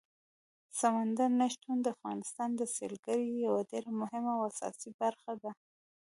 سمندر نه شتون د افغانستان د سیلګرۍ یوه ډېره مهمه او اساسي برخه ده.